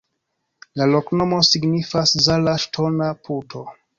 La loknomo signifas: Zala-ŝtona-puto.